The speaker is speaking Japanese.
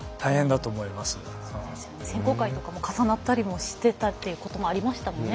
選考会とかも重なったりしてたこともありましたもんね。